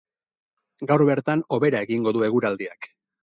Gaur bertan hobera egingo du eguraldiak.